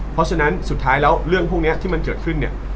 เพราะฉะนั้นสุดท้ายแล้วเรื่องพวกนี้ที่มันเกิดขึ้นเนี่ย